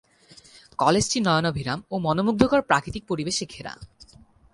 কলেজটি নয়নাভিরাম ও মনোমুগ্ধকর প্রাকৃতিক পরিবেশে ঘেরা।